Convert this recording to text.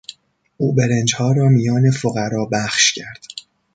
او برنجها را میان فقرا بخش کرد.